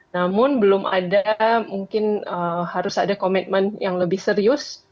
namun belum ada mungkin harus ada komitmen yang lebih serius